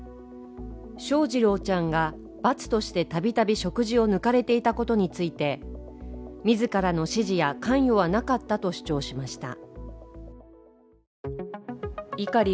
翔士郎ちゃんが罰として度々食事を抜かれていたことについて自らの指示や関与はなかったと主張しました。